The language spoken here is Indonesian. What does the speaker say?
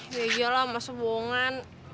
ya iyalah emang sebuangan